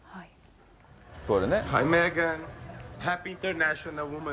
これね。